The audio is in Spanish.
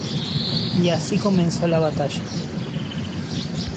Y así comenzó la batalla.